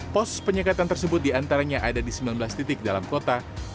pos penyekatan tersebut diantaranya ada di sembilan belas titik dalam kota